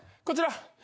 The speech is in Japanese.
こちら。